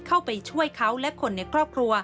เข้าไปช่วยเขาและคนในครอบครัว